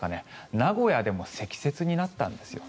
名古屋でも積雪になったんですよね。